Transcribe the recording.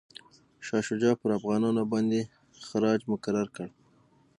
شاه شجاع پر افغانانو باندي خراج مقرر کړ.